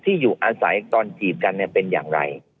ที่อยู่อาศัยตอนจีบกันเป็นอย่างไร